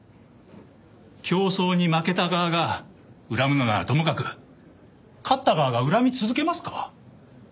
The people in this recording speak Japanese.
競争に負けた側が恨むのならともかく勝った側が恨み続けますか？